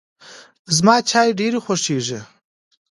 زما چای ډېر خوښیږي.